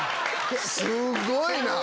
すごいな。